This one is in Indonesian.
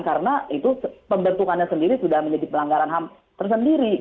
karena itu pembentukannya sendiri sudah menjadi pelanggaran tersendiri